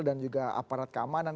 dan juga aparat keamanan